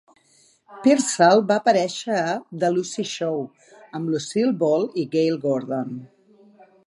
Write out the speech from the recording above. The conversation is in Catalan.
Piersall va aparèixer a "The Lucy Show" amb Lucille Ball i Gale Gordon.